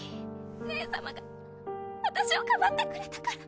姉様が私をかばってくれたから。